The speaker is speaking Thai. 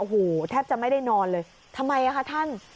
โอ้โหแทบจะไม่ได้นอนเลยทำไมอ่ะคะท่าน